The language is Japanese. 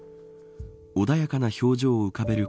穏やかな表情を浮かべる